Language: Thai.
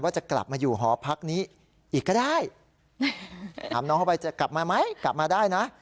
จะกลับมาอยู่หอพักนี้อีกก็ได้ถามน้องเข้าไปจะกลับมาไหมกลับมาได้นะ